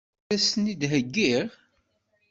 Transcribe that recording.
Ad as-ten-id-heggiɣ?